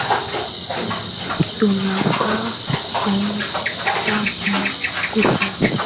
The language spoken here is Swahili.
Tunafaa kumcha Mungu sana